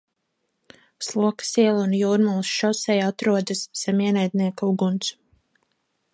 Slokas iela un Jūrmalas šoseja atrodas zem ienaidnieka uguns.